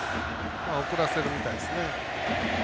送らせるみたいですね。